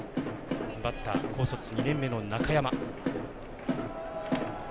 バッター高卒２年目の中山。